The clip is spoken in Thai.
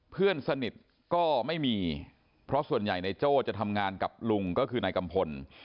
เพื่อนสนิทก็ไม่มีเพราะส่วนใหญ่นายโจ้จะทำงานกับลุงก็คือนายกัมพล